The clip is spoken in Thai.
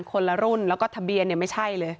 คนละรุ่นแล้วก็ทะเบียนเนี่ยไม่ใช่เลย